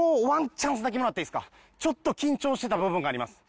ちょっと緊張してた部分があります。